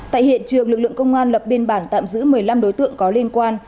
tại hiện trường lực lượng công an lập biên bản tạm giữ một mươi năm đối tượng có liên quan